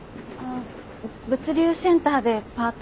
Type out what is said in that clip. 物流センターでパートを。